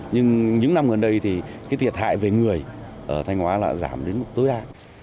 nhưng những năm gần đây thì cái thiệt hại về người ở thanh hóa là giảm đến mức tối đa